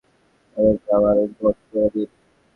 তাদেরকে আমার উম্মত করে দিন!